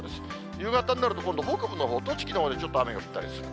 夕方になると今度北部のほう、栃木のほうでちょっと雨が降ったりする。